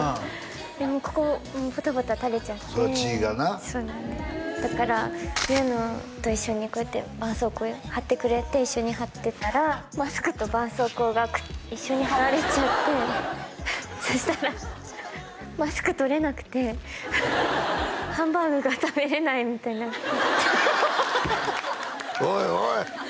ここポタポタ垂れちゃってそりゃ血がなそうなんですだから優乃と一緒にこうやってばんそうこう貼ってくれて一緒に貼ってたらマスクとばんそうこうが一緒に貼られちゃってそしたらマスク取れなくてハンバーグが食べれないみたいになっておいおい！